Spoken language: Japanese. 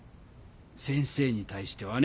先生に対してはね。